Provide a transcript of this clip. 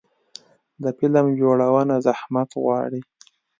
د فلم جوړونه زحمت غواړي.